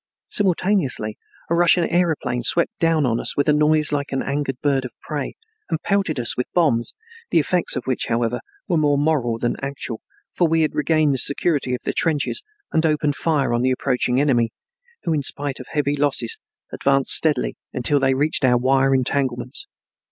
Simultaneously a Russian aeroplane swept down upon us with a noise like an angered bird of prey and pelted us with bombs, the effects of which, however, were more moral than actual, for we had regained the security of the trenches and opened fire on the approaching enemy, who in spite of heavy losses advanced steadily until he reached our wire entanglements.